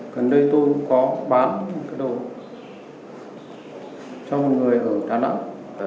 gần đây tôi có bán đồ cho một người ở đà nẵng